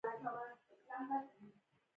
ماته کړي وه چترۍ